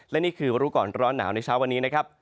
และนี่คือรู้ก่อนร้อนหนาวในเช้าวันนี้นะครับ